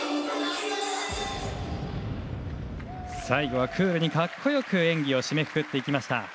最後はクールに格好よく演技を締めくくっていきました。